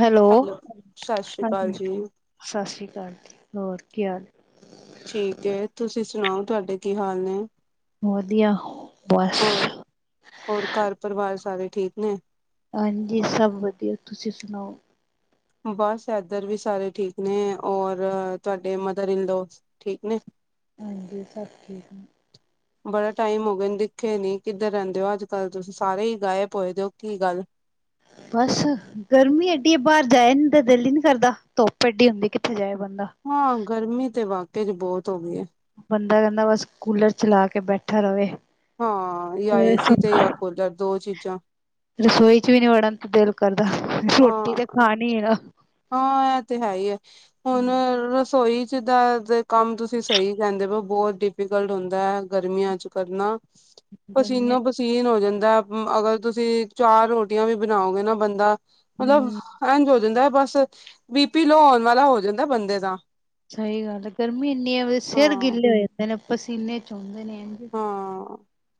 Hello, ਸਤਿ ਸ੍ਰੀ ਅਕਾਲ ਹਾਂਜੀ ਜੀ। ਸਤਿ ਸ੍ਰੀ ਅਕਾਲ। ਹੋਰ ਕੀ ਹਾਲ? ਠੀਕ ਐ ਤੁਸੀਂ ਸੁਣਾਓ ਤੁਹਾਡੇ ਕੀ ਹਾਲ ਨੇ? ਵਧੀਆ। ਬਸ ਹੋਰ ਹੋਰ ਘਰ ਪਰਿਵਾਰ ਸਾਰੇ ਠੀਕ ਨੇ। ਹਾਂਜੀ, ਸਭ ਵਧੀਆ ਤੁਸੀਂ ਸੁਣਾਓ? ਬਸ ਇਧਰ ਵੀ ਸਾਰੇ ਠੀਕ ਨੇ ਔਰ ਤੁਹਾਡੇ ਮਦਰ ਇਨ ਲੌਅ ਠੀਕ ਨੇ? ਹਾਂਜੀ ਸਭ ਠੀਕ ਨੇ ਬੜਾ ਟਾਈਮ ਹੋ ਗਿਆ ਦੇਖੇ ਨੀ ਕਿੱਧਰ ਰਹਿੰਦੇ ਹੋ ਅੱਜ ਕੱਲ ਤੁਸੀਂ ਸਾਰੇ ਹੀ ਗਾਇਬ ਹੋਏ ਦੇ ਓ ਕੀ ਗੱਲ। [unintelligible] ਬਸ ਗਰਮੀ ਐਡੀ ਐ, ਬਾਹਰ ਜਾਏ ਨੀ ਦਿਲ ਹੀ ਨੀ ਕਰਦਾ ਧੁੱਪ ਐਡੀ ਹੁੰਦੀ ਕਿੱਥੇ ਜਾਏ ਬੰਦਾ ਹਾਂ, ਗਰਮੀ ਤੇ ਵਾਕਿਆ ਬਹੁਤ ਹੋ ਗਈ। ਬੰਦਾ ਕਹਿੰਦਾ ਬਸ ਕੂਲਰ ਚਲਾ ਕੇ ਬੈਠਾ ਰਵੇ। ਹਾਂ, ਜਾਂ ਏਸੀ ਤੇ ਜਾਂ ਕੂਲਰ ਦੋ ਚੀਜ਼ਾਂ। ਰਸੋਈ ਚ ਵੀ ਨੀ ਵੜਨ ਦਿਲ ਕਰਦਾ ਰੋਟੀ ਹਾਂ, ਤੇ ਖਾਣੀ ਆ। ਹਾਂ, ਇਹ ਤੇ ਹੈਈ ਆ ਹੁਣ ਰਸੋਈ ਜਿੱਦਾਂ ਦੇ ਕੰਮ ਤੁਸੀਂ ਸਹੀ ਕਹਿੰਦੇ ਪਏ । ਬਹੁਤ ਡਿਫੀਕਲਟ ਹੁੰਦਾ ਹੈ ਗਰਮੀਆਂ ਚ ਕਰਨਾ । ਗਰਮੀ ਪਸੀਨੋ-ਪਸੀਨ ਹੋ ਜਾਂਦਾ । ਅਗਰ ਤੁਸੀਂ ਚਾਰ ਰੋਟੀਆਂ ਵੀ ਬਣਾਉਗੇ ਨਾ ਬੰਦਾ ਮਤਲਬ ਹਮ ਇੰਝ ਹੋ ਜਾਂਦਾ । ਬੀ ਪੀ ਲੋਅ ਹੋਣ ਵਾਲਾ ਹੋ ਜਾਂਦਾ ਬੰਦੇ ਦਾ । ਸਹੀ ਗੱਲ ਗਰਮੀ ਇੰਨੀ ਹੈ। ਸਿਰ ਹਾਂ ਗਿੱਲੇ ਹੋ ਜਾਂਦੇ ਨੇ ਪਸੀਨੇ ਚੋਂਦੇ ਨੇ । ਹਾਂ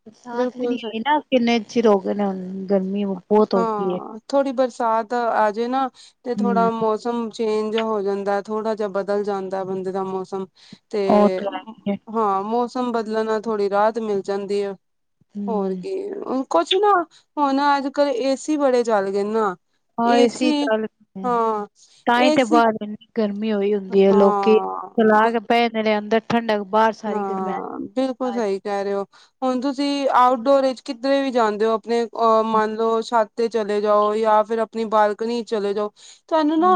ਬਰਸਾਤ ਵੀ ਬਿਲਕੁਲ ਨੀ ਸਹੀ ਆਈ ਨਾ ਕਿੰਨੇ ਚਿਰ ਹੋ ਗਏ ਨੇ । ਗਰਮੀ ਬਹੁਤ ਹੋ ਗਈ ਹੈ । ਹਾਂ ਥੋੜ੍ਹੀ ਬਰਸਾਤ ਆਜੇ ਨਾ ਤੇ ਥੋੜਾ ਮੌਸਮ । ਚੇਂਜ ਜਾ ਹੋ ਜਾਂਦਾ। ਥੋੜਾ ਜਿਹਾ ਬਦਲ ਜਾਂਦਾ ਬੰਦੇ ਦਾ ਮੌਸਮ । ਤੇ ਉਹ ਤਾਂ ਹੈ ਹੀ ਏ ਹੂੰ ਮੌਸਮ ਬਦਲਣ ਨਾਲ ਥੋੜ੍ਹੀ ਰਾਹਤ ਮਿਲ ਜਾਂਦੀ ਆ । ਹੋਰ ਹੂੰ ਕੀ ਕੁਝ ਨਾ ਹੁਣ ਅੱਜ ਕੱਲ ਏਸੀ ਬੜੇ ਚੱਲ ਗਏ ਨਾ । ਹਾਂ ਇਸ ਹੀ ਚੱਲ ਤਾਂ ਹੀ ਤੇ ਏਸੀ ਬ । ਗਰਮੀ ਉਹੀ ਹੁੰਦੀ ਹੈ। ਲੋਕੀ ਹਾਂ ਸਲਾ ਕੇ ਭੈਦੇ ਨੇ ਅੰਦਰ ਠੰਡਾ। ਹਾਂ । ਬਿਲਕੁਲ ਸਹੀ ਕਹਿ ਰਹੇ ਹੋ। ਹੁਣ ਤੁਸੀਂ ਆਊਟਡੋਰ ਵਿੱਚ ਕਿਧਰੇ ਵੀ ਜਾਂਦੇ ਹੋ । ਆਪਣੇ ਇਹ ਮੰਨ ਲਓ ਛੱਤ ਤੇ ਚਲੇ ਜਾਓ । ਜਾਂ ਫਿਰ ਆਪਣੀ ਬਾਲਕਨੀ ਚ ਚਲੇ ਜਾਓ ਤੁਹਾਨੂੰ ਨਾ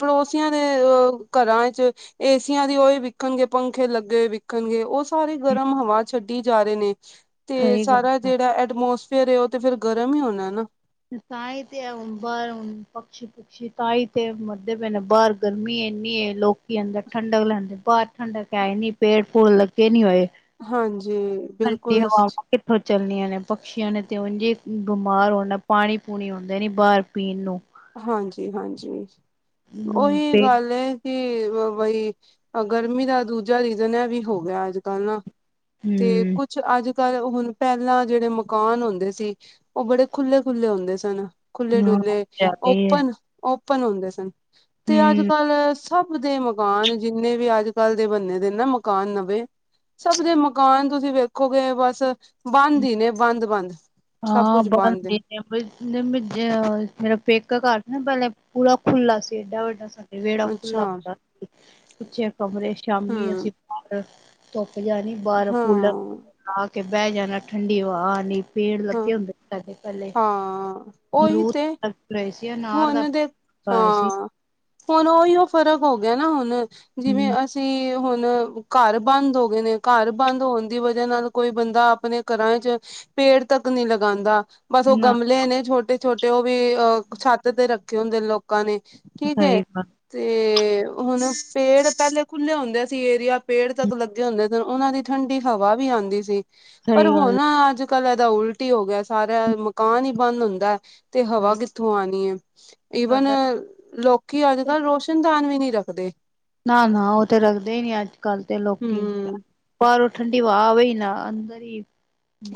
ਪੜੋਸ । ਸੀਆਂ ਦੇ ਅ ਘਰਾਂ ਚ ਏਸੀਆਂ ਦੀ ਉਹਹੀ ਵਿਖਣਗੇ ਪੰਖੇ ਲੱਗੇ ਵਿਖਣਗੇ ਉਸ । ਸਾਰੇ ਗਰਮ ਹਵਾ ਛੱਡੀ ਜਾ ਰਹੇ ਨੇ ਤੇ ਸਹੀ ਗੱਲ ਸਾਰਾ ਆ। ਜਿਹੜਾ ਐਟਮੋਸ । ਫੇਰ ਉਹ ਤੇ ਫਿਰ ਗਰਮ ਹੀ ਹੋਣਾ ਨਾ । ਤਾਂਹੀ ਤੇ ਹੈ ਹੁਣ ਬਾਹਰ ਹੁਣ ਪਕਸ਼ੀ ਪਸ਼ੀ ਤਾਂ ਹੀ ਤੇ ਮਰਦੇ ਪਏ ਨੇ । ਬਾਹਰ ਗਰਮੀ ਏਨੀ। ਇੰਨੀ ਲੋਕੀ ਅੰਦਰ ਠੰਡਕ ਲੈਂਦੇ। ਬਾਹਰ ਠੰਡਕ ਹੈ ਨੀ ਪੇੜ ਪੂੜ ਲੱਗੇ ਨੀ ਹੋਏ । ਹਾਂਜੀ ਹਾਂ ਜੀ ਬਿਲਕੁਲ ਉਹ ਕਿੱਥੋਂ? ਚੱਲਣੀਆਂ ਨੇ ਪਕਸ਼ੀਆਂ ਨੇ ਤੇ ਉਂਝ ਹੀ ਬਿਮਾਰ ਹੋਣਾ ਪਾਣੀ ਪੂਣੀ ਹੁੰਦਾ ਨਹੀਂ ਬਾਹਰ ਪੀਣ ਨੂੰ । ਹਾਂ ਜੀ ਹਾਂ ਜੀ ਹੁਣ ਉਹੀ ਤੇ ਗੱਲ ਏ । ਕੀ ਬਈ ਗਰਮੀ ਦਾ ਦੂਜਾ ਰੀਜਨ ਹੈ ਵੀ ਹੋ ਗਿਆ ਅੱਜ ਕੱਲ ਨਾ । ਤੇ ਹੂੰ ਕੁੱਝ ਅੱਜ । ਪਰ ਹੁਣ ਪਹਿਲਾਂ ਜਿਹੜੇ ਮਕਾਨ ਹੁੰਦੇ ਸੀ । ਉਹ ਬੜੇ ਖੁੱਲ੍ਹੇ-ਖੁੱਲ੍ਹੇ ਹੁੰਦੇ ਸਨ । ਖੁੱਲ੍ਹੇ ਡੁੱਲ੍ਹੇ । ਚ ਰਹੀ ਹੈ । ਓਪਨ ਹੁੰਦੇ ਸਨ ਤੇ ਅੱਜ ਕੱਲ । ਸਭ ਦੇ ਮਕਾਨ ਜਿੰਨੇ ਵੀ ਅੱਜ ਕੱਲ ਦੇ ਬਣ ਦੇ ਨਾ ਮਕਾਨ ਨਵੇਂ । ਸਭ ਦੇ ਮਕਾਨ ਤੁਸੀਂ ਵੇਖੋਗੇ ਬਸ ਬੰਦ ਹੀ ਨੇ ਬੰਦ ਬੰਦ । [inaudible] ਇੱਕ ਘਰ ਨਾ ਪਹਿਲੇ ਪੂਰਾ ਖੁੱਲਾ ਸੀ ਏਡਾ ਵੱਡਾ । ਵਿਹੜਾ ਖੁੱਲ੍ਹਾ ਅੱਛਾ ਹੁੰਦਾ ਸੀ । ਪਿੱਛੇ ਕਮਰੇ ਸ਼ਾਮੀ ਅਸੀਂ ਹਮ ਬਾਹਰ ਧੁੱਪ । ਜਾਣੀ ਬਾਹਰ ਹਾਂ ਕੂਲਰ ਲਾ ਕੇ ਬਹਿ ਜਾਣਾ । ਠੰਡੀ ਹਵਾ ਆਣੀ । ਪੇੜ ਹਾਂ ਲੱਗੇ ਹੁੰਦੇ ਸੀ ਸਾਡੇ ਪਹਿਲੇ ਹਾਂ ਉਹੀ ਅਮਰੂਦ ਤੇ ਲੱਗ ਰਹੇ ਸੀ । ਹੁਣ ਦੇ ਹਾਂ ਹੁਣ ਉਹੀ ਫ਼ਰਕ ਹੋ ਗਿਆ ਨਾ ਹੁਣ। ਜਿਵੇਂ ਹੂੰ, ਅਸੀਂ ਹੁਣ । ਘਰ ਬੰਦ ਹੋ ਗਏ ਨੇ । ਘਰ ਬੰਦ ਹੋਣ ਦੀ ਵਜ੍ਹਾ ਨਾਲ ਕੋਈ ਬੰਦਾ ਆਪਣੇ ਘਰਾਂ ਚ । ਪੇੜ ਤੱਕ ਨਹੀਂ ਲਗਾਉਂਦਾ । ਬਸ ਉਹ ਨਾ ਗਮਲੇ ਨੇ ਛੋਟੇ ਛੋਟੇ। ਉਹ ਵੀ ਅ ਛੱਤ ਤੇ ਰੱਖੇ ਹੁੰਦੇ ਨੇ ਲੋਕਾਂ ਨੇ । ਠੀਕ ਹੈ ਸਹੀ ਗੱਲ ਤੇ ਹੁਣ ਪੇੜ ਪਹਿਲੇ ਖੁੱਲ੍ਹੇ ਹੁੰਦੇ ਸੀ ਏਰੀਆ । ਪੇੜ ਤੱਕ ਲੱਗੇ ਹੁੰਦੇ ਤੇ ਉਹਨਾਂ ਦੀ ਠੰਡੀ ਹਵਾ ਵੀ ਆਉਂਦੀ ਸੀ। ਪਰ ਸਹੀ ਹੁਣ ਗੱਲ ਅੱਜ। ਕ ਇਹਦਾ ਉਲਟ ਹੀ ਹੋ ਗਿਆ ਸਾਰਾ। ਮਕਾਨ ਹੀ ਬੰਦ ਹੁੰਦਾ ਤੇ ਹਵਾ ਕਿੱਥੋਂ ਆਉਣੀ ਹੈ? ਈਵਨ ਸਾਡਾ ਲੋਕੀ ਅੱਜ ਕੱਲ੍ਹ ਰੋਸ਼ਨ ਦਾਨ ਵੀ ਨਹੀ ਰੱਖਦੇ । ਨਾ ਨਾ ਉਹ ਤੇ ਰੱਖਦੇ ਹੀ ਨੀ ਅੱਜ ਕੱਲ ਤੇ ਲੋਕੀ ਹਮ ਪਰ ਠੰ । [inaudible]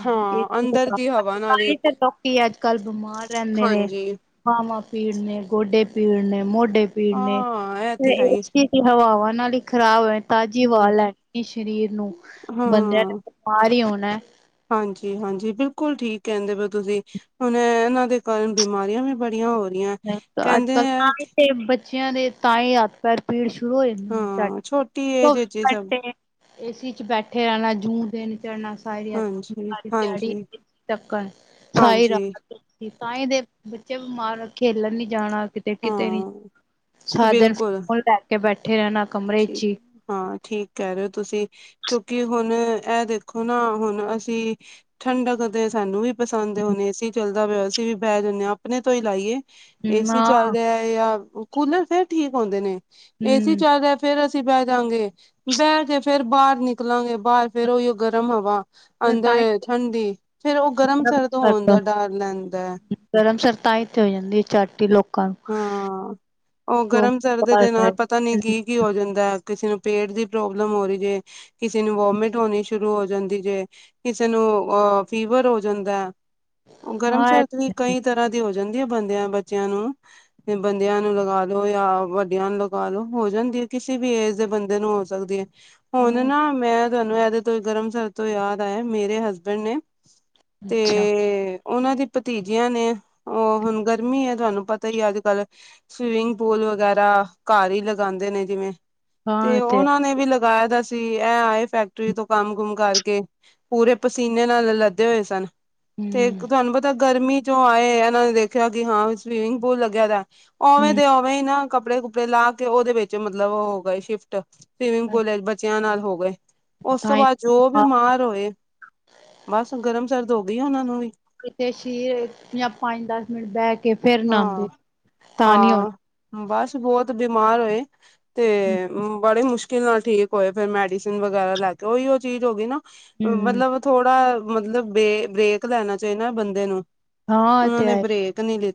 ਹਾਂ ਅੰਦਰ ਦੀ ਹਵਾ ਨਾਲ ਇ ਤੇ ਤਾਂ ਹੀ ਤੇ ਲੋਕੀ ਅੱਜ ਕੱਲ ਬਿਮਾਰ ਰਹਿੰਦੇ ਨੇ । ਹਾਂਜੀ ਬਾਵਾ ਪੀੜ ਨੇ। ਗੋਡੇ ਪੀੜ ਨੇ। ਮੋਢੇ ਪੀੜ ਨੇ। ਹਾਂ ਇਹ ਫ ਤੇ ਹੈ ਹੀ ਹਵਾਵਾਂ ਨਾਲ ਈ ਖ਼ਰਾਬ ਐ। ਤਾਜ਼ੀ ਹਮ ਹਵਾ ਲੈਣੀ ਸਰੀਰ ਨੂੰ ਬੰਦਿਆਂ ਨੇ ਬਿਮਾਰ ਹੀ ਹੋਣਾ ਹਾਂਜੀ-ਹਾਂਜੀ, ਬਿਲਕੁਲ ਠੀਕ ਕਹਿੰਦੇ ਪਏ ਓ ਤੁਸੀਂ ਹੁਣ ਇਹਨਾਂ ਦੇ ਕਾਰਨ ਬਿਮਾਰੀਆਂ ਵੀ ਬੜੀਆਂ ਹੋ ਰਹੀਆਂ ਕਹਿੰਦੇ ਅੱਜਕੱਲ ਆ ਤਾਂ ਤੇ ਬੱਚਿਆਂ ਦੇ ਤਾਂਹੀ ਹੱਥ ਪੈਰ ਪੀੜ ਸ਼ੁਰੂ ਹੋ ਜਾਂਦੇ ਆ ਹਾਂ ਛੋਟੀ ਏਜ ਚੌਵੀ ਵਿੱਚ ਹੀ ਸਭ ਘੰਟੇ ਏਸੀ ਚ ਬੈਠੇ ਰਹਿਣਾ ਜੂਨ [unintelligible] [unintelligible] ਸਾਰੀ ਹਾਂਜੀ ਦਿਹਾੜੀ ਹਾਂਜੀ [unintelligible] ਸਾਰੀ ਹਾਂਜੀ ਰਾਤ ਤਾਂਹੀ ਦੇ ਬੱਚੇ ਬਿਮਾਰ ਖੇਲਣ ਨੀ ਜਾਣਾ। ਕਿਤੇ ਕਿਤੇ ਨੀ ਹਾਂ ਸਾਰਾ ਦਿਨ ਬਿਲਕੁਲ ਫ਼ੋਨ ਲੈ ਕੇ ਬੈਠੇ ਰਹਿਣਾ। ਕਮਰੇ ਚ ਠੀਕ ਹੀ ਹਾਂ, ਠੀਕ ਕਹਿ ਰਹੇ ਹੋ ਤੁਸੀਂ ਕਿਉਂਕਿ ਹੁਣ ਇਹ ਦੇਖੋ ਨਾ ਹੁਣ ਅਸੀਂ ਠੰਡਕ ਦੇ ਸਾਨੂੰ ਵੀ ਪਸੰਦ ਹੁਣ ਏਸੀ ਚੱਲ [unintelligible] ਅਸੀਂ ਵੀ ਬਹਿ ਜਾਣੇ ਆ ਆਪਣੇ ਤੋਂ ਹੀ ਲਾਈਏ ਏਸੀ ਨਾ ਚੱਲ ਰਿਹਾ ਜਾਂ ਕੂਲਰ ਫੇਰ ਠੀਕ ਹੁੰਦੇ ਨੇ ਏਸੀ ਹੂੰ ਚੱਲ ਰਿਹਾ। ਫੇਰ ਅਸੀਂ ਬਹਿ ਜਾਾਂਗੇ ਬਹਿ ਕੇ ਫੇਰ ਬਾਹਰ ਨਿਕਲਾਂਗੇ ਬਾਹਰ ਫੇਰ ਉਹੀਓ ਗਰਮ ਹਵਾ। ਮੈਂ ਅੰਦਰ ਤਾਂ ਹੀ ਠੰਡੀ ਫੇਰ ਉਹ ਗਰਮ ਸਰਦ ਹੋਣ ਦਾ ਡਰ ਰਹਿੰਦਾ। ਤਾਂਹੀ ਤੇ ਹੋ ਜਾਂਦੀ ਐ ਝੱਟ ਹੀ ਲੋਕ ਹਾਂ, ਉਹ ਗਰਮ ਸਰਦ ਹਾਂ ਇਹ ਦੇ ਨਾਲ ਪਤਾ ਨੀ ਤੇ ਕੀ ਕੀ ਹੋ ਜਾਂਦਾ। ਕਿਸੇ ਨੂੰ ਪੇਟ ਦੀ ਪ੍ਰੋਬਲਮ ਹੋ ਰਹੀ ਜੇ ਕਿਸੇ ਨੂੰ ਵੋਮਿਟ ਹੋਣੀ ਸ਼ੁਰੂ ਹੋਣੀ ਹੋ ਜਾਂਦੀ ਜੇ ਕਿਸੇ ਨੂੰ ਆ ਫੀਵਰ ਹੋ ਜਾਂਦਾ। ਗਰਮ ਸਰਦ ਵੀ ਹੈ। ਕਈ ਤਰ੍ਹਾਂ ਦੀ ਹੋ ਜਾਂਦੀ ਐ ਬੰਦਿਆਂ ਬੱਚਿਆਂ ਨੂੰ ਬੰਦਿਆਂ ਨੂੰ ਲਗਾ ਲੋ ਜਾਂ ਵੱਡੀਆਂ ਨੂੰ ਲਗਾ ਲੋ ਹੋ ਜਾਂਦੀ ਐ ਕਿਸੇ ਵੀ ਏਜ ਦੇ ਬੰਦੇ ਨੂੰ ਹੋ ਸਕਦੀ ਆ ਹੁਣ ਹਾਂ, ਨਾ ਮੈਂ ਤੁਹਾਨੂੰ ਇਹਦੇ ਤੋਂ ਗਰਮ ਸਰਦ ਤੋਂ ਯਾਦ ਆਇਆ ਮੇਰੇ ਹਸਬੈਂਡ ਨੇ ਅੱਛਾ, ਤੇ ਉਹਨਾਂ ਦੀ ਭਤੀਜਿਆਂ ਨੇ ਉਹ ਹੁਣ ਗਰਮੀ ਐ ਤੁਹਾਨੂੰ। ਤਾਂ ਹੀ ਅੱਜ ਕੱਲ ਸਵੀਮਿੰਗ ਪੂਲ ਵਗੈਰਾ ਘਰ ਹੀ ਲਗਾਂਦੇ ਨੇ ਜਿਵੇਂ। ਹਾਂ ਤੇ ਇਹ ਹੈ ਉਹਨਾਂ ਨੇ ਵੀ ਲਗਾਇਆ ਦਾ ਸੀ ਇਹ ਆਏ ਫੈਕਟਰੀ ਤੋਂ ਕੰਮ ਕੁੁੰਮ ਕਰਕੇ। ਕੇ ਪੂਰੇ ਪਸੀਨੇ ਨਾਲ ਲੱਦੇ ਹੋਏ ਸਨ ਤੇ ਹੂੰ ਤੁਹਾਨੂੰ ਪਤਾ ਗਰਮੀ ਚੋਂ ਆਏ ਆ ਇਹਨਾਂ ਨੇ ਦੇਖਿਆ ਕਿ ਹਾਂ ਸਵੀਮਿੰਗ ਪੂਲ ਲੱਗਿਆ ਦਾ ਓਵੇਂ ਹੂੰ ਦੇ ਉਵੇਂ ਹੀ ਨਾ। ਕੱਪੜੇ ਕੁੱਪੜੇ ਲਾ ਕੇ ਉਹਦੇ ਵਿੱਚ ਮਤਲਬ ਹੋ ਗਏ ਸ਼ਿਫਟ ਸਵੀਮਿੰਗ ਪੂਲ ਬੱਚਿਆਂ ਨਾਲ ਹੋ ਗਏ। ਉਸ ਤੋਂ ਤਾਂਹੀ ਬਾਅਦ ਜੋ ਹਾਂ ਬਿਮਾਰ ਹੋਏ ਬਸ ਗਰਮ ਸਰਦ ਹੋ ਗਈ ਉਹਨਾ ਨੂੰ ਵੀ। ਕਿਥੇ ਸ਼ਰੀਰ ਜਾਂ ਪੰਜ ਦਸ ਮਿੰਟ ਬਹਿ ਕੇ ਫੇਰ ਨਾਂਦੇ ਹਾਂ ਤਾਂ ਨੀ ਹੋਣ ਹਾਂ, ਬਸ ਬਹੁਤ ਬਿਮਾਰ ਹੋਏ ਤੇ ਬੜੀ ਮੁਸ਼ਕਿਲ ਨਾਲ ਠੀਕ ਹੋਏ ਫਿਰ ਮੈਡੀਸਿਨ ਵਗੈਰਾ ਲੈ ਕੇ ਉਹੀ ਉਹ ਚੀਜ਼ ਹੋ ਗਈ ਨਾ ਹੂੰ ਮਤਲਬ ਥੋੜਾ ਮਤਲਬ ਬੇ ਬ੍ਰੇਕ ਲੈਣਾ ਚਾਹੀਦਾ ਬੰਦੇ ਨੂੰ ਉਹਨਾਂ ਨੇ ਬ੍ਰੇਕ ਨਹੀਂ ਲਿੱ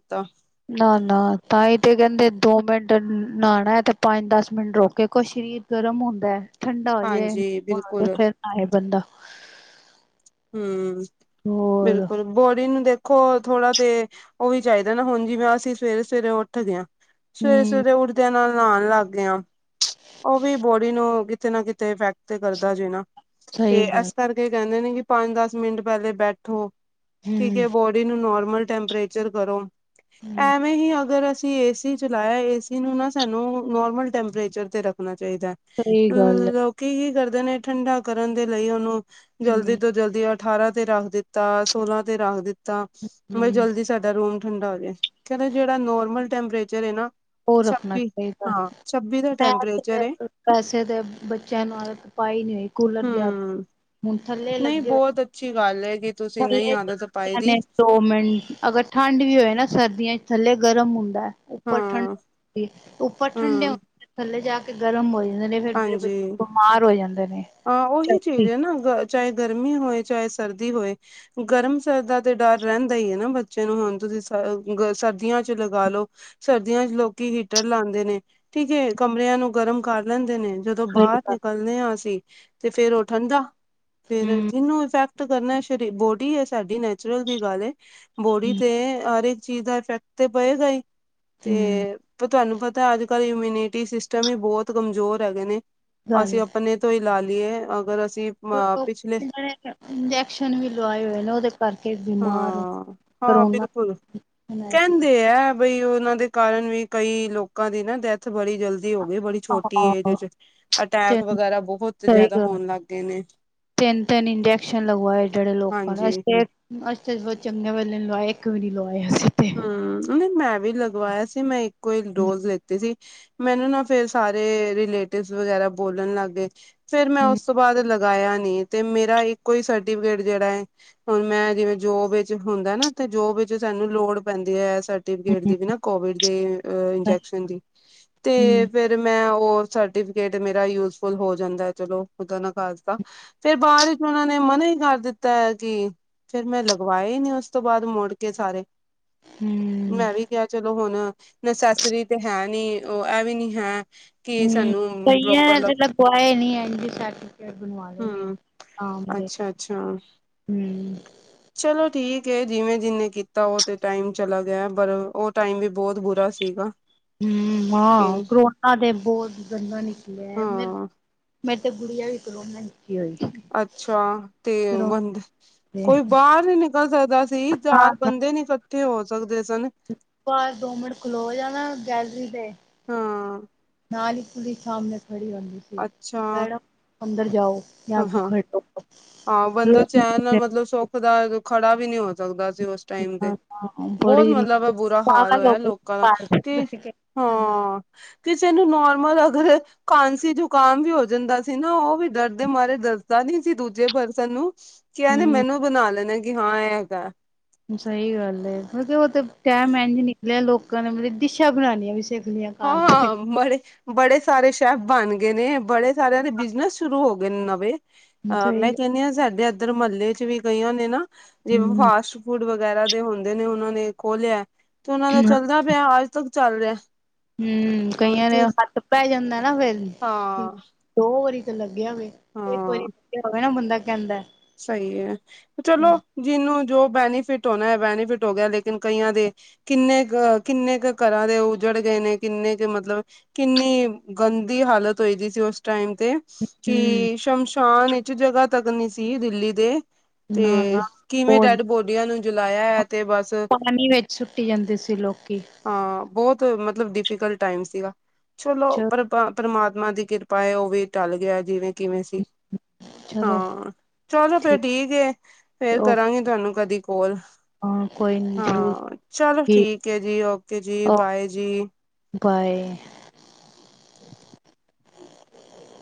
ਨਾ-ਨਾ, ਤਾਂਹੀ ਤੇ ਕਹਿੰਦੇ ਦੋ ਮਿੰਟ ਨਹਾਣਾ ਤੇ ਪੰਜ ਦਸ ਮਿੰਟ ਰੁੱਕ ਕੇ ਕੁਛ। ਸਰੀਰ ਗਰਮ ਹੁੰਦਾ ਠੰਡਾ ਹੋਜੇ ਤੇ ਉਸ ਹਾਂਜੀ ਤੋਂ ਬਾਅਦ ਬਿਲਕੁਲ ਫਿਰ ਨਹਾਏ ਬੰਦਾ। ਹੂੰ, ਹੋਰ ਬਿਲਕੁਲ ਬੋਡੀ ਨੂੰ ਦੇ ਦੇਖੋ ਥੋੜਾ ਤੇ ਉਹ ਵੀ ਚਾਹੀਦਾ ਨਾ ਹੁਣ ਜਿਵੇਂ ਅਸੀਂ ਸਵੇਰੇ ਸਵੇਰੇ ਉੱਠਦੇ ਆ। ਸਵੇਰੇ ਹੂੰ ਸਵੇਰੇ ਉੱਠਦਿਆਂ ਨਾਲ ਨਹਾਣ ਲੱਗ ਗਿਆ ਉਹ ਵੀ ਬੋਡੀ ਨੂੰ। ਕਿਤੇ ਨਾ ਕਿਤੇ ਇਫੈਕਟ ਤੇ ਕਰਦਾ ਜੇ ਨਾ ਸਹੀ ਤੇ ਗੱਲ ਇਸ ਕਰਕੇ ਕਹਿੰਦੇ ਨੇ ਕਿ ਪੰਜ ਦਸ ਮਿੰਟ ਪਹਿਲੇ ਬੈਠੋ ਠੀਕ ਹੂੰ ਐ ਬੋਡੀ ਨੂੰ ਨੋਰਮਲ ਟੈਂਪਰੇਚਰ ਕਰੋ। ਹੂੰ ਐਵੇਂ ਹੀ ਅਗਰ ਤੁਸੀਂ ਏ ਸੀ ਚਲਾਇਆ ਏਸੀ ਨੂੰ ਨਾ ਸਾਨੂੰ ਨੋਰਮਲ ਟੈਂਪਰੇਚਰ ਤੇ ਰੱਖਣਾ। ਚਾਹੀਦਾ ਸਹੀ ਅ ਗੱਲ ਹੈ ਲੋਕੀ ਕੀ ਕਰਦੇ ਨੇ ਠੰਢਾ ਕਰਨ ਦੇ ਲਈ ਉਹਨੂੰ ਜਲਦੀ ਹੂੰ, ਤੋਂ ਅਠਾਰਾਂ ਤੇ ਰੱਖ ਦਿੱਤਾ ਸੋਲਾਂ ਤੇ ਰੱਖ ਦਿੱਤਾ ਵੀ ਹੂੰ ਜਲਦੀ ਸਾਡਾ ਰੂਮ ਠੰਡਾ ਹੋਜੇ। ਕਹਿੰਦੇ ਜਿਹੜਾ ਨੋਰਮਲ ਟੈਂਪਰੇਚਰ ਐ ਨਾ ਓ ਰੱਖਣਾ ਛੱਬੀ ਚਾਹੀਦਾ। ਹਾਂ ਛੱਬੀ ਦਾ ਮੈਂ ਟੈਂਪਰੇਚਰ ਤੇ ਏ ਵੈਸੇ ਤੇ ਬੱਚਿਆਂ ਨੂੰ ਆਦਤ ਪਾਈ ਨੀ ਹੋਈ ਕੂਲਰ ਦੀ ਆਦਤ। ਹੂੰ ਹੁਣ ਥੱਲੇ ਨਹੀਂ, ਲੱਗੇ ਹੋਏ ਬਹੁਤ ਅੱਛੀ ਗੱਲ ਐ। ਥੱਲੇ ਚ ਨੇ ਦੋ ਮਿੰਟ ਅਗਰ ਠੰਡ ਵੀ ਹੋਏ ਨਾ ਸਰਦੀਆਂ ਥੱਲੇ ਗਰਮ ਹੁੰਦਾ। ਹਾਂ ਉੱਪਰ ਠੰਡ ਹੁੰਦੀ ਉੱਪਰ ਠੰਡੇ ਹਾਂ ਹੁੰਦੀ ਥੱਲੇ ਜਾ ਕੇ ਤੇ ਗਰਮ ਹੋ ਜਾਂਦੇ ਨੇ ਫੇਰ ਮੇਰੇ ਹਾਂਜੀ ਬੱਚੇ ਬਿਮਾਰ ਹੋ ਜਾਂਦੇ ਨੇ ਹਾਂ ਉਹੀ ਚੀਜ਼ [unintelligible] ਹੈ ਨਾ ਚਾਹੇ ਗਰਮੀ ਹੋਏ ਚਾਹੇ ਸਰਦੀ ਹੋਏ ਗਰਮ ਸਰਦ ਦਾ ਤੇ ਡਰ ਰਹਿੰਦਾ ਹੀ ਐ ਨਾ ਬੱਚੇ ਨੂੰ ਹੁਣ। ਸਰਦੀਆਂ ਚ ਲਗਾ ਲਓ ਸਰਦੀਆਂ ਚ ਲੋਕ ਹੀਟਰ ਲਾਂਦੇ ਨੇ ਠੀਕ ਐ। ਕਮਰਿਆਂ ਨੂੰ ਗਰਮ ਕਰ ਲੈਂਦੇ ਨੇ ਜਦੋਂ ਸਹੀ ਬਾਹਰ ਗੱਲ ਨਿਕਲਦੇ ਆ ਅਸੀਂ ਤੇ ਫੇਰ ਉਹ ਠੰਢਾ। ਫੇਰ ਹੂੰ ਜਿਹਨੂੰ ਇਫੈਕਟ ਕਰਨਾ ਸ਼ਰੀ ਬੋਡੀ ਐ ਸਾਡੀ ਨੈਚੁਰਲ ਦੀ ਗੱਲ ਐ। ਬੋਡੀ ਤੇ ਹਰੇਕ ਚੀਜ਼ ਦਾ ਇਫੈਕਟ ਤੇ ਪਏਗਾ ਹੀ ਹੂੰ ਤੇ ਤੁਹਾਨੂੰ ਪਤਾ ਤਾਂ ਅੱਜ ਕੱਲ੍ਹ ਇਮਿਊਨਿਟੀ ਸਿਸਟਮ ਹੀ ਬਹੁਤ ਕਮਜ਼ੋਰ ਹੈਗੇ ਨੇ ਗੱਲ ਅਸੀਂ ਹੈ। ਆਪਣੇ ਤੋਂ ਹੀ ਲਾ ਅਗਰ ਅਸੀਂ ਅ [unintelligible] ਪਿਛਲੇ ਇੰਜੈਕਸ਼ਨ ਵੀ ਲਵਾਏ ਹੋਏ ਨੇ ਉਹਦੇ ਕਰਕੇ। ਬਿਮਾਰ ਹੋ ਹਾਂ ਹਾਂ ਕਰੋਨਾ ਬਿਲਕੁਲ ਕਹਿੰਦੇ [unintelligible] ਹੈ ਬਈ ਉਹਨਾਂ ਦੇ ਕਾਰਨ ਵੀ ਕਈ ਲੋਕਾਂ ਦੀ ਨਾ ਡੈਥ ਬੜੀ ਜਲਦੀ ਹੋ ਗਈ ਬੜੀ ਛੋਟੀ ਏਜ ਚ ਹਾਂ ਅਟੈਕ ਵਗੈਰਾ ਬਹੁਤ ਸਹੀ ਜਿਆਦਾ ਗੱਲ ਹੋਣ ਲੱਗ ਗਏ ਨੇ। ਤਿੰਨ-ਤਿੰਨ, ਇੰਜੈਕਸ਼ਨ ਲਗਵਾਏ ਜਿਹੜੇ ਲੋਕਾਂ ਨੇ ਹਾਂਜੀ ਅਸੀਂ ਤੇ ਬਹੁਤ ਚੰਗੇ ਵੇਲ਼ੇ ਨੀ ਲਵਾਏ ਇੱਕ ਵੀ ਨੀ ਲਵਾਇਆ। ਹੂੰ, ਨਹੀਂ ਮੈਂ ਵੀ ਲਗਵਾਇਆ ਸੀ ਮੈਂ ਇੱਕੋ ਹੀ ਹੂੰ, ਡੋਜ਼ ਲੈਤੀ ਸੀ ਮੈਨੂੰ ਨਾ ਫੇਰ ਸਾਰੇ ਰਿਲੇਟਿਵਸ ਵਗੈਰਾ ਬੋਲਣ ਲੱਗ ਗਏ। ਫੇਰ ਮੈਂ ਉਸ ਹੂੰ, ਤੋਂ ਬਾਅਦ ਲ ਗਾਇਆ ਨੀ ਤੇ ਮੇਰਾ ਇੱਕੋ ਹੀ ਸਰਟੀਫਿਕੇਟ ਜਿਹੜਾ ਹੈ ਹੁਣ ਮੈਂ ਜਿਵੇਂ ਜੋਬ ਵਿੱਚ ਹੁੰਦਾ ਨਾ। ਜੋ ਵਿੱਚ ਸਾਨੂੰ ਲੋੜ ਪੈਂਦੀ ਐ। ਸਰਫਿਕੇਟ ਦੀ ਕੋਵਿਡ ਦੇ ਇੰਜੈਕਸ਼ਨ ਦੀ ਤੇ ਹੂੰ ਫਿਰ ਮੈਂ ਸਰਟੀਫਿਕੇਟ ਮੇਰਾ ਯੂਜਫੁਲ ਹੋ ਜਾਂਦਾ ਚਲੋ ਉਦ ਨਾ ਖਾਸ ਦਾ ਫੇਰ ਬਾਅਦ ਵਿੱਚ ਉਹਨਾਂ ਨੇ। ਮਨਾ ਹੀ ਕਰ ਦਿੱਤਾ ਆ ਕਿ ਫੇਰ ਮੈਂ ਲਗਵਾਇਆ ਹੀ ਨਹੀਂ ਉਸ ਤੋਂ ਬਾਅਦ ਮੁੜ ਕੇ ਸਾਰੇ ਮੈਂ ਵੀ ਕਿਹਾ ਚਲੋ ਹੁਣ ਨਸੈਸਰੀ ਤੇ ਹੈ ਨੀ ਉਹ ਇਹ ਵੀ ਨੀ ਹੈ। ਕਿ ਹੂੰ, ਸਾਨੂੰ ਪ੍ਰੋਪਰ ਕਈਆਂ ਲੱਗ ਨੇ ਲਗਵਾਏ ਨੀ ਹੈਗੇ ਸਰਟੀਫਿਕੇਟ ਬਣਵਾ ਲਏ ਨੇ। ਆਮ ਦੇ ਅੱਛਾ-ਅੱਛਾ, ਹੂੰ, ਚਲੋ ਠੀਕ ਕਿ ਜਿਵੇਂ ਜਿਹਨੇ ਕੀਤਾ ਉਹ ਤੇ ਟਾਈਮ ਚਲਾ ਗਿਆ ਪਰ ਉਹ ਟਾਈਮ ਵੀ ਬਹੁਤ ਬੁਰਾ ਸੀਗਾ। ਹੂੰ, ਕਿ ਹਾਂ ਕਰੋਨਾ ਤੇ ਬਹੁਤ ਗੰਦਾ ਨਿਕਲਿਆ ਮੇ ਹਾਂ ਰੀ ਤਾਂ ਗੁੜੀਆਂ ਵੀ ਕਰੋਨਾ ਈ ਹੋਈ। ਅੱਛਾ ਤੇ ਕਰੋਨਾ ਬੰਦੇ ਤੇ ਕੋਈ ਬਾਹਰ ਨੀ ਨਿਕਲ ਸਕਦਾ ਸੀ ਚਾਰ ਬੰਦੇ ਨੀ, ਜਲਦੀ ਹੋ ਸਕਦੇ। ਸਨ ਪਰ ਦੋ ਮਿੰਟ ਖਲੋ ਜਾ ਨਾ ਗੈਲਰੀ ਤੇ ਹਾਂ ਨਾਲ ਈ ਪੁਲੀਸ। ਸਾਹਮਣੇ ਖੜੀ ਰਹਿੰਦੀ ਸੀ ਅੱਛਾ ਮੈਡਮ ਅੰਦਰ ਜਾਓ ਜਹਾਂ ਹਾਂ ਕਿਉਂ ਹਾਂ ਖੜ੍ਹੇ ਓ ਹਾਂ, ਬੰਦਾ ਚੈਨ ਨਾਲ ਮਤਲਬ ਸੁੱਖ ਦਾ ਖੜਾ ਵੀ ਨਹੀਂ ਸਕਦਾ ਸੀ। ਉਸ ਟਾਈਮ ਤੇ ਬਹੁਤ ਬੜੀ ਮਤਲਬ ਐ ਬੁਰਾ ਹਾਲ ਪਾਗਲ ਹੋ ਹੋਇਆ ਲੋਕਾਂ ਦਾ ਕੀ ਗਈ ਘਰ ਹੈਲੋ। ਹਾਂ, ਕਿਸੇ ਨੂੰ ਨੋਰਮਲ ਅਗਰ ਕਾਂਸੀ ਜ਼ੁਕਾਮ ਵੀ ਹੋ ਜਾਂਦਾ ਸੀ ਨਾ ਉਹ ਵੀ ਡਰਦੇ ਮਾਰੇ ਦੱਸਦਾ ਨੀ ਸੀ ਦੂਜੇ ਪਰਸਨ ਨੂੰ ਕੀ ਐਨੇ ਮੈਨੂੰ ਹੂੰ। ਬਣਾ ਲੈਣਾ ਕਿ ਹਾਂ ਇਹ ਹੈਗਾ। ਸਈ ਗੱਲ ਐ ਮਤਲਕ ਉਹ ਤੇ ਟਾਇਮ ਇੰਝ ਨਿਕਲਿਆ ਲੋਕਾਂ ਨੇ ਮਤਲਬ ਡਿਸ਼ਾਂ ਬਣਾਂਣੀਆਂ ਵੀ ਸਿੱਖ, ਲਈਆਂ ਘਰ ਤੇ। ਹਾਂ, ਬੜੇ ਬੜੇ ਸਾਰੇ ਸੈਫ਼ ਬਣ ਗਏ ਨੇ ਬੜੇ ਸਾਰਿਆਂ ਦੇ ਬਿਜਨਸ ਸ਼ੁਰੂ ਹੋ ਗਏ। ਨਵੇਂ ਅਹ ਮੈਂ ਸਹੀ ਕਹਿਣੀ ਆ ਸਾਡੇ ਇੱਧਰ ਮਹੱਲੇ ਚ ਵੀ ਕਈਆਂ ਨੇ ਨਾ। ਜਿਵੇਂ ਹੂੰ ਫਾਸਟ ਫੂਡ ਵਗੈਰਾ ਦੇ ਹੁੰਦੇ ਨੇ ਉਹਨਾਂ ਨੇ ਖੋਲਿਆ ਤੇ ਉਹਨਾਂ ਦਾ ਚੱਲਦਾ ਪਿਆ ਅੱਜ ਤੱਕ ਚੱਲ ਰਿਹਾ। ਹੂੰ, ਹੁਣ ਕਈਆਂ ਦੇ ਤੇ ਹੱਥ ਪੈ ਜਾਂਦਾ ਨਾ ਫੇਰ ਹਾਂ ਦੋ ਵਾਰੀ ਤੇ ਲੱਗਿਆ ਹੋਵੇ ਇੱਕ ਵਾਰੀ ਲੱਗਿਆ ਹੋਵੇ ਨਾ ਬੰਦਾ ਕਹਿੰਦਾ। ਸਈ ਐ ਚਲੋ ਜਿਹਨੂੰ ਜੋ ਬੈਨੀਫਿਟ ਹੋਣਾ ਬੈਨੀਫਿਟ ਹੋ ਗਿਆ ਲੇਕਿਨ ਕਈਆਂ ਦੇ ਕਿੰਨੇ ਕਿੰਨੇ ਕ ਘਰਾਂ ਦੇ ਉੱਜੜ ਗਏ ਨੇ ਕਿੰਨੇ ਕੁ ਮਤਲਬ ਕਿੰਨੀ ਗੰਦੀ ਹਾਲਤ ਹੋਈ ਦੀ ਸੀ ਉਸ ਟਾਈਮ ਤੇ ਹੂੰ ਕੀ ਸ਼ਮਸ਼ਾਨ ਵਿਚ ਜਗ੍ਹਾ ਤੱਕ ਨੀ ਸੀ ਦਿੱਲੀ ਦੇ। ਤੇ ਨਾ-ਨਾ ਕਿਵੇਂ ਡੈਡ ਬੋਡੀਆਂ ਨੂੰ ਜਲਾਇਆ ਐ ਤੇ ਬਸ ਪਾਣੀ ਵਿੱਚ ਸੁੱਟੀ ਜਾਂਦੇ ਲੋਕੀ। ਹਾਂ, ਬਹੁਤ ਮਤਲਬ ਡਿਫੀਕਲਟ ਟਾਈਮ ਸੀਗਾ ਚਲੋ ਚ ਪਰ ਪਰਮਾਤਮ। ਮਾਂ ਦੀ ਕਿਰਪਾ ਐ ਉਹ ਵੀ ਟਲ ਗਿਆ ਜਿਵੇਂ ਕਿਵੇਂ ਸੀ ਚਲੋ ਹਾਂ। ਚਲੋ ਫੇਰ ਠੀਕ ਐ ਫੇਰ ਓ ਕਰਾਂਗੀ ਤੁਹਾਨੂੰ ਕਦੀ ਕੋਲ। ਹਾਂ ਕੋਈ ਨੀ ਜ਼ਰੂਰ ਹਾਂ, ਚਲੋ ਠੀਕ ਐ ਜੀ ਓਕੇ ਜੀ ਓ ਬਾਏ ਜੀ। ਬਾਏ। [inaudible]